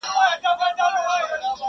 پر ما تور د میني تور دی لګېدلی تورن نه یم.